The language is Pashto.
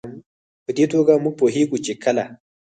په دې توګه موږ پوهېږو چې کله